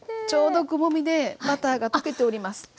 ちょうどくぼみでバターが溶けております。